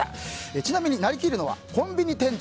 ちなみに、なりきるのはコンビニ店長。